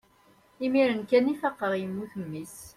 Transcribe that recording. imir-n kan i faqeɣ yemmut mmi-s